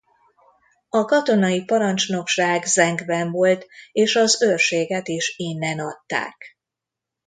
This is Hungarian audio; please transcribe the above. A katonai parancsnokság Zenggbe volt és az őrséget is innen adták.